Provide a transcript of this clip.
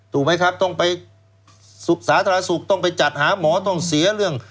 ถูกไหมครับต้องไปสาธารณสุขต้องไปจัดหาหมอต้องเสียเรื่อง